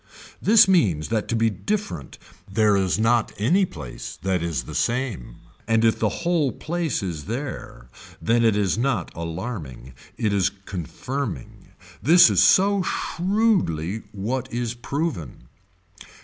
This means that to be different there is not any place that is the same and if the whole place is there then it is not alarming it is confirming. This is so shrewdly what is proven.